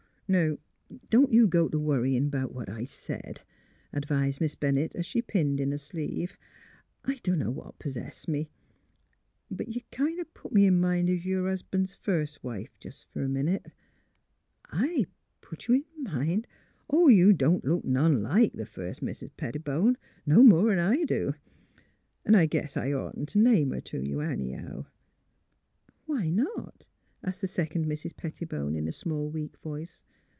Now don't you go t' worryin' 'bout what I said," advised Miss Bennett, as she pinned in a sleeve. '' I dunno what p 'sessed me ; but you kind 182 THE HEART OF PHILURA o' put me in mind o' your lius 'ban's first wife, jes* f er a minute. ''I — ^put you in mind "Oh, you don't look none like th' first Mis* Pettibone — no more'n I do. 'N' I guess I'd oughtn't t' name her to you, anyhow." <' Why not ?'' asked the second Mrs. Pettibone, in a small, weak voice.